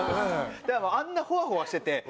でもあんなホワホワしてて。